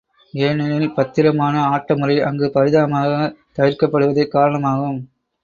ஏனெனில், பத்திரமான ஆட்ட முறை அங்கு பரிதாபமாக தவிர்க்கப்படுவதே காரணமாகும்.